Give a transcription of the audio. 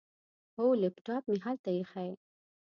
هو، لیپټاپ مې هلته ایښی.